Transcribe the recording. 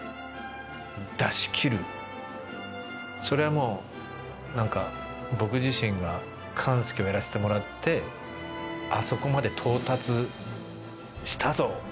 それはもう何か僕自身が勘助をやらせてもらって「あそこまで到達したぞ！